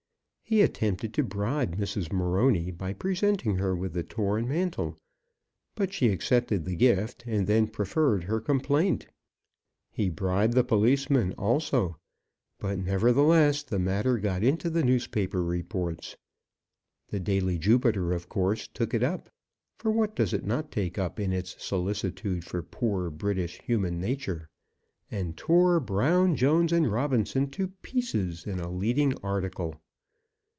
He attempted to bribe Mrs. Morony by presenting her with the torn mantle; but she accepted the gift, and then preferred her complaint. He bribed the policemen, also; but, nevertheless, the matter got into the newspaper reports. The daily Jupiter, of course, took it up, for what does it not take up in its solicitude for poor British human nature? and tore Brown, Jones, and Robinson to pieces in a leading article.